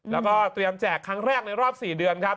แล้วก็เตรียมแจกครั้งแรกในรอบ๔เดือนครับ